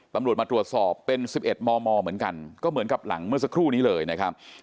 ตำรวจมาตรวจสอบเป็น๑๑มมเหมือนกันก็เหมือนกับหลังเมื่อสักครู่นี้เลยนะครับ